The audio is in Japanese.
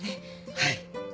はい。